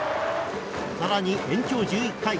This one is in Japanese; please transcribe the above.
更に延長１１回。